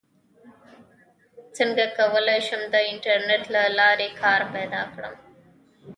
څنګه کولی شم د انټرنیټ له لارې کار پیدا کړم